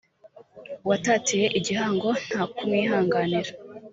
watatiye igihango nta kumwihanganira